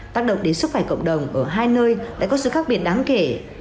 tác động đến sức khỏe cộng đồng ở hai nơi đã có sự khác biệt đáng kể